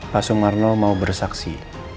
pak sumarno mau bersaksi